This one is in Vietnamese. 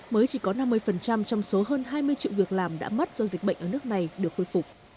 mới chỉ có năm mươi trong số hơn hai mươi triệu việc làm đã mất do dịch bệnh ở nước này được khôi phục